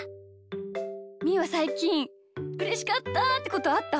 みーはさいきんうれしかったってことあった？